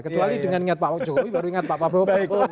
kecuali dengan ingat pak jokowi baru ingat pak prabowo